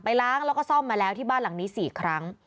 ล้างแล้วก็ซ่อมมาแล้วที่บ้านหลังนี้๔ครั้ง